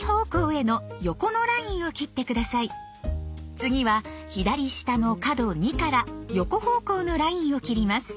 次は左下の角２から横方向のラインを切ります。